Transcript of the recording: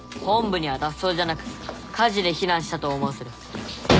本部には脱走じゃなく火事で避難したと思わせる。